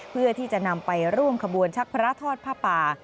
เพื่อที่จะนำไปร่วมขบวนชักพระทอดผ้าป่า